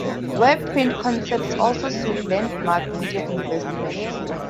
WebPrint Concepts also sued Landmark Media Investments.